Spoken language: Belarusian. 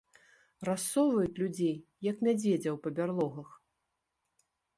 Рассоўваюць людзей, як мядзведзяў па бярлогах?